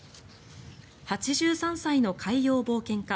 ８３歳の海洋冒険家